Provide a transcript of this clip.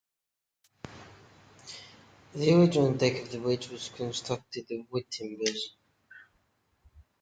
The original deck of the bridge was constructed of wood timbers.